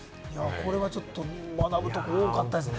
これは学ぶところ多かったですね。